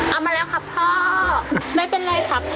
เอามาแล้วค่ะพ่อไม่เป็นไรค่ะพ่อ